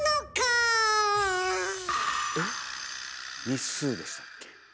日数でしたっけ。